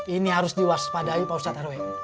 ini harus diwaspadai pak ustadz rw